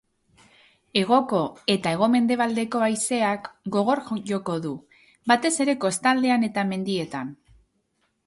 Hegoko eta hego-mendebaldeko haizeak gogor joko du, batez ere kostaldean eta mendietan.